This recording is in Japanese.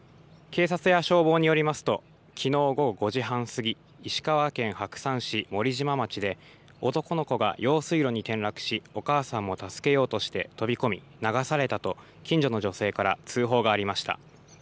警察や消防によりますと、きのう午後５時半過ぎ、石川県白山市森島町で、男の子が用水路に転落し、お母さんも助けようとして飛び込み、流されたと、近所の女性から通報がありました。